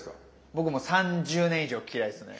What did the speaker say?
僕もう３０年以上嫌いですね。